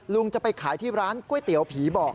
ลุงจะไปขายที่ร้านก๋วยเตี๋ยวผีบอก